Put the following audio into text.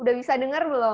udah bisa denger belum